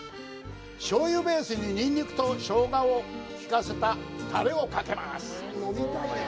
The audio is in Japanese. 醤油ベースに、ニンニクと生姜を効かせたタレをかけます。